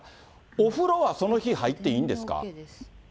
お風呂はその日、入っていいんですか？